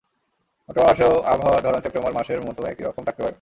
October মাসেও আবহাওয়ার ধরন সেপ্টেম্বর মাসের মতো একই রকম থাকতে পারে।